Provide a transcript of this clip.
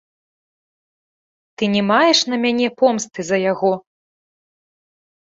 Ты не маеш на мяне помсты за яго?